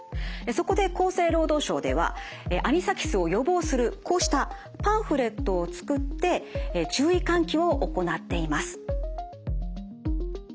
そこで厚生労働省ではアニサキスを予防するこうしたパンフレットを作って注意喚起を行っています。